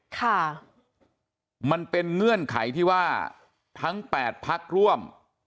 ค่ะมันเป็นเงื่อนไขที่ว่าทั้งแปดพักร่วม